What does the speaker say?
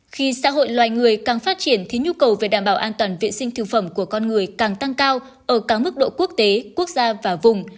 khi xã hội loài người càng phát triển thì nhu cầu về đảm bảo an toàn vệ sinh thực phẩm của con người càng tăng cao ở càng mức độ quốc tế quốc gia và vùng